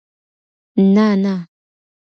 نه ، نه